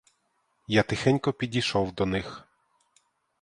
Я тихенько підійшов до них.